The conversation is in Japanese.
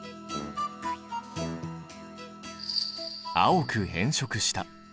青く変色した。